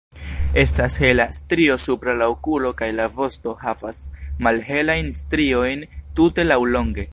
Estas hela strio supra la okulo kaj la vosto havas malhelajn striojn tute laŭlonge.